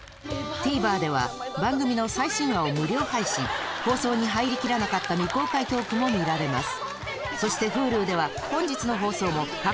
ＴＶｅｒでは番組の最新話を無料配信放送に入りきらなかった未公開トークも見られます